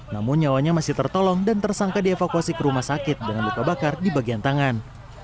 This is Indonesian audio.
namun nyawanya masih tertolong dan tersangka dievakuasi ke rumah sakit dengan luka bakar di bagian tangan